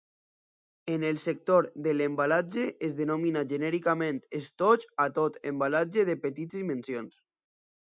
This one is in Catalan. En el sector de l'embalatge, es denomina genèricament estoig a tot embalatge de petites dimensions.